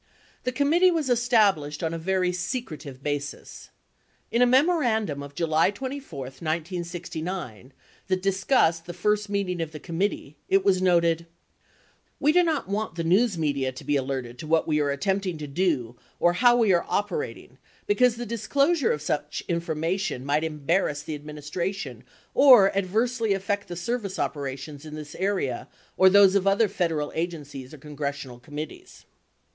The committee was established on a very secretive basis. In a memo randum of July 24, 1969, that discussed the first meeting of the com mittee, it was noted : We do not want the news media to be alerted to what we are attempting to do or how we are operating because the disclo sure of such information might embarrass the administration or adversely affect the service operations in this area or those of other Federal agencies or congressional committees.